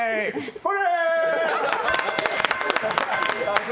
これ！